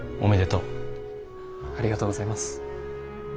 ありがとうございます。